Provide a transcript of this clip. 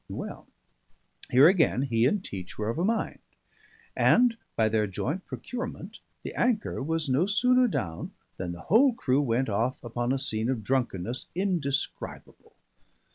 Well, here again he and Teach were of a mind; and by their joint procurement the anchor was no sooner down than the whole crew went off upon a scene of drunkenness indescribable.